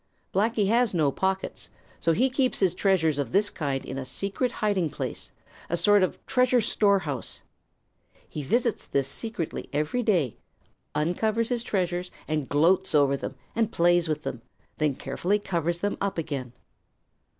Blacky has no pockets, so he keeps his treasures of this kind in a secret hiding place, a sort of treasure storehouse. He visits this secretly every day, uncovers his treasures, and gloats over them and plays with them, then carefully covers them up again.